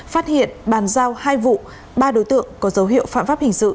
phát hiện bàn giao hai vụ ba đối tượng có dấu hiệu phạm pháp hình sự